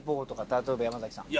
例えば山崎さん。